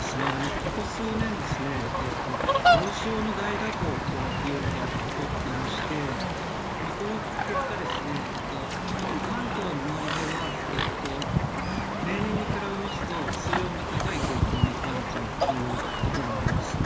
ここ数年、黒潮の大蛇行というのが起こっていまして、この結果、特に関東の周りでは例年に比べますと水温が高い傾向にあるということがあります。